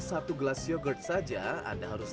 satu gelas yogurt saja anda harus